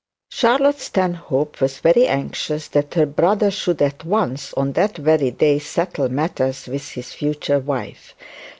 Charlotte Stanhope was very anxious that her brother should at once on that very day settle matters with his future wife.